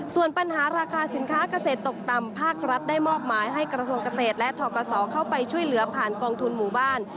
ส่วนปัญหาราคาสินค้าเกษตรตกต่ำภาครัฐได้มอบหมายให้กระทรวงเกษตรและทกศเข้าไปช่วยเหลือผ่านกองทุนหมู่บ้าน